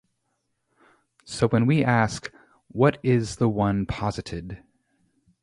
So when we ask, What is the one posited?